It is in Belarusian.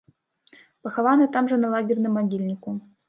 Пахаваны там жа на лагерным магільніку.